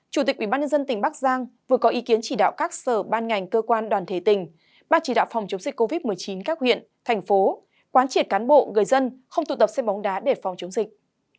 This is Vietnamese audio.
chủ tịch ubnd tỉnh bắc giang vừa có ý kiến chỉ đạo các sở ban ngành cơ quan đoàn thể tỉnh ban chỉ đạo phòng chống dịch covid một mươi chín các huyện thành phố quán triệt cán bộ người dân không tụ tập xem bóng đá để phòng chống dịch